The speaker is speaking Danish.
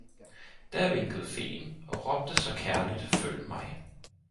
Da vinkede feen og råbte så kærligt følg mig!